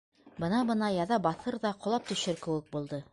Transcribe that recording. Бына-бына яҙа баҫыр ҙа ҡолап төшөр кеүек булды.